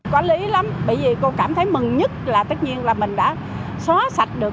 quản lý lắm bởi vì cô cảm thấy mừng nhất là tất nhiên là mình đã xóa sạch được